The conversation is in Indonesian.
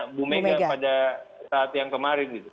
ibu megawati pada saat yang kemarin